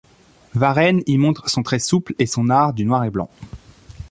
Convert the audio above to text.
Varenne y montre son trait souple et son art du noir et blanc.